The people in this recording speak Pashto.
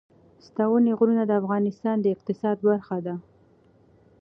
ستوني غرونه د افغانستان د اقتصاد برخه ده.